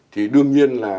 thì đương nhiên là